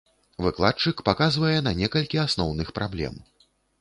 Выкладчык паказвае на некалькі асноўных праблем.